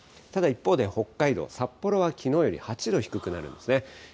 ただ一方で北海道札幌はきのうより８度低くなるんですね。